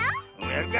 やるか！